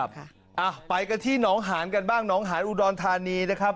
เอาไปกันที่หนองหานกันบ้างหนองหานอุดรธานีนะครับ